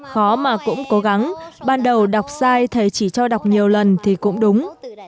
khó mà cũng cố gắng ban đầu đọc sai thầy chỉ cho đọc nhiều lần thì cũng đúng